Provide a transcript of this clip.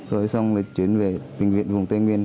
rồi xong rồi chuyển về bệnh viện vùng tây nguyên